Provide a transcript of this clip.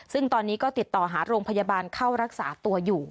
ซึ่งตอนนี้ก็ติดต่อหาโรงพยาบาลเข้ารักษาตัวอยู่